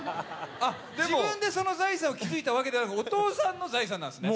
自分で自分の財産を築いたんじゃなくて父親の財産なんですね。